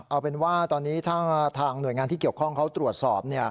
เอาเป็นว่าตอนนี้ถ้าทางหน่วยงานที่เกี่ยวข้องเขาตรวจสอบ